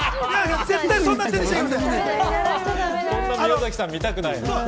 そんな宮崎さん、見たくない。